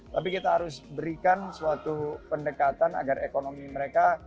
tapi kita harus berikan suatu pendekatan agar ekonomi mereka